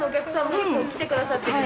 結構来てくださってて。